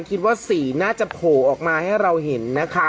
คิดว่าสีน่าจะโผล่ออกมาให้เราเห็นนะคะ